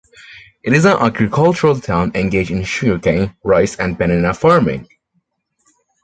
It is an agricultural town engaged in sugarcane, rice and banana farming.